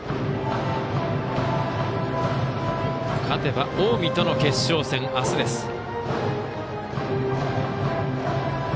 勝てば近江との決勝戦、あすです。